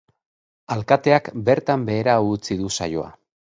Alkateak bertan behera utzi du saioa.